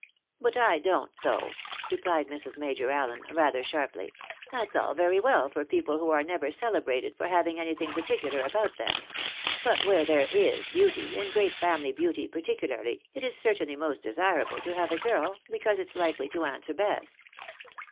" But I don't though," replied Mrs. Major Allen, rather sharply. " That's all very well for people who are never cele brated for having anything particular about them. But where there is beauty, and great family beauty particularly, it is certainly most desirable to have a girl, because it's likely to answer best."